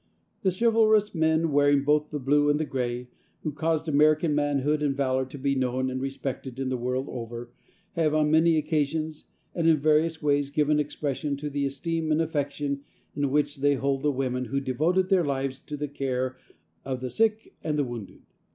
The chivalrous men wearing both the Blue and the Gray, who caused American manhood and valor to be known and respected the world over, have on many occasions, and in various ways, given expression to the esteem and affection in which they hold the women who devoted their lives to the care of the sick and wounded.